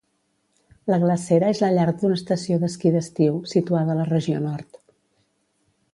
La glacera és la llar d'una estació d'esquí d'estiu, situada a la regió nord.